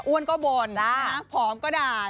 อ้วนก็บ่นผอมก็ด่า